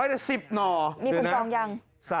มีคุณจองยัง